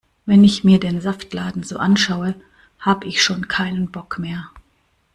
Wenn ich mir den Saftladen so anschaue, hab' ich schon keinen Bock mehr.